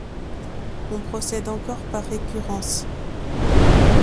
On procède encore par récurrence.